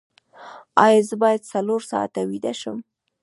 ایا زه باید څلور ساعته ویده شم؟